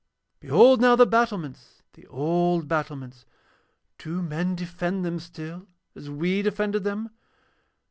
'Behold now the battlements, the old battlements. Do men defend them still as we defended them?